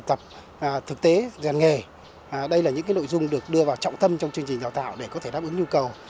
tập thực tế giàn nghề đây là những nội dung được đưa vào trọng tâm trong chương trình đào tạo để có thể đáp ứng nhu cầu